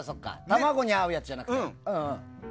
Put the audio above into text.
卵に合うやつじゃなくて。